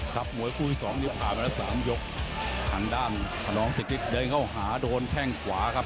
ครับหมวยคุยสองนี้ผ่านมาละสามยกหันด้านขนองศึกฤทธิ์เดินเข้าหาโดนแท่งขวาครับ